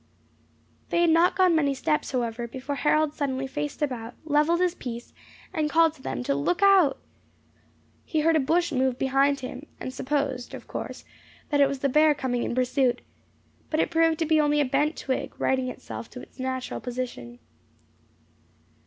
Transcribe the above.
They had not gone many steps, however, before Harold suddenly faced about, levelled his piece, and called to them to "look out!" He heard a bush move behind him, and supposed, of course, that it was the bear coming in pursuit, but it proved to be only a bent twig righting itself to its natural position.